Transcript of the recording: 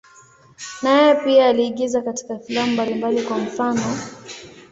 Naye pia aliigiza katika filamu mbalimbali, kwa mfano.